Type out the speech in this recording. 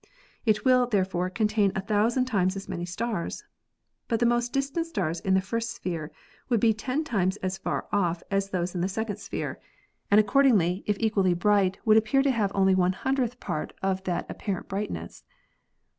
It will, therefore, contain a thousand times as many stars. But the most distant stars in the first sphere ■ would be ten times as far off as those in the second sphere, VARIABLE AND BINARY STARS 291 and accordingly if equally bright would appear to have only one hundredth part of the apparent brightness.